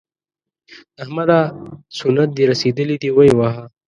احمده! سنت دې رسېدلي دي؛ ویې وهه.